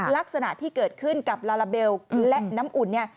ลักษณะที่เกิดขึ้นกับลาลาเบลและน้ำอุ่นเนี่ย